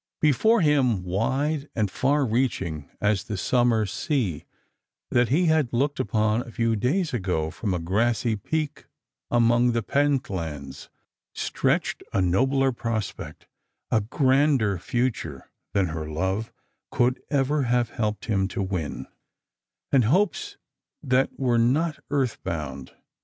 Before him, wide and far reaching as the summer sc^a that he had looked upon a few days ago from a grassy peak among the Pentlands, stretched a nobler prospect, a grander future than her love could ever have helped him to win, and hopes that were not earth bound.